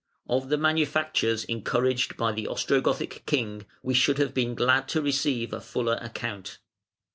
Of the manufactures encouraged by the Ostrogothic king, we should have been glad to receive a fuller account.